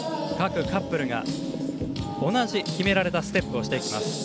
各カップルが同じ、決められたステップをしていきます。